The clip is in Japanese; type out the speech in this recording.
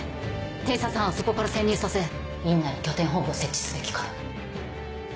偵察班をそこから潜入させ院内に拠点本部を設置すべきかと。